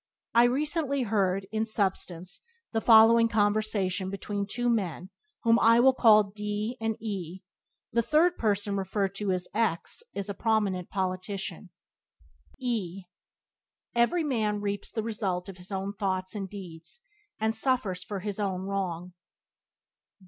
I recently heard, in substance, the following conversation between two men whom I will call D and E . The third person referred to as X is a prominent politician: — E Every man reaps the result of his own thoughts and deeds, and suffers for his own wrong.